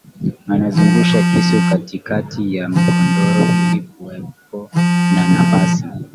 Akazungusha kisu katikati ya godoro ili kuwepo na nafasi